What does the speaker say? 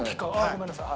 ごめんなさい。